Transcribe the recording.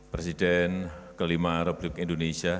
presiden kelima republik indonesia